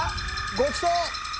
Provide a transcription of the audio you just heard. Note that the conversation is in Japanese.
ごちそう！